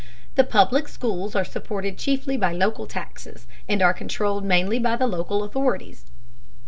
The public schools are supported chiefly by local taxes and are controlled mainly by the local authorities.